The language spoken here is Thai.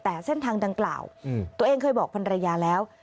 แต่เส้นทางดังกล่าวตัวเองเคยบอกพันรยาแล้ว